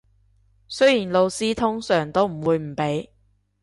雖然老師通常都唔會唔俾